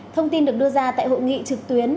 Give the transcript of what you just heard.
thông tin được đưa ra tại hội nghị trực tuyến